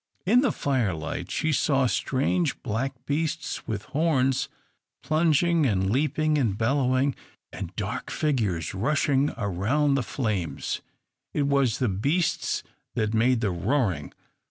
In the firelight she saw strange black beasts, with horns, plunging and leaping and bellowing, and dark figures rushing about the flames. It was the beasts that made the roaring.